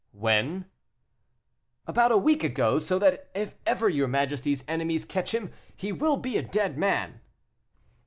"When?" "About a week ago; so that if ever your majesty's enemies catch him he will be a dead man."